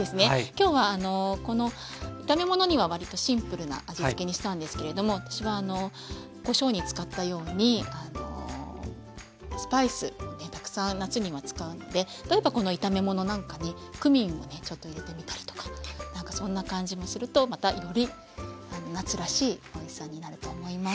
今日はこの炒め物にはわりとシンプルな味つけにしたんですけれども私はあのこしょうに使ったようにスパイスをねたくさん夏には使うので例えばこの炒め物なんかにクミンをねちょっと入れてみたりとかなんかそんな感じもするとまたより夏らしいおいしさになると思います。